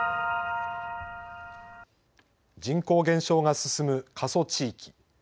人口減少が進む過疎地域。